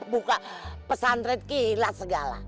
buka pesantren kilat segala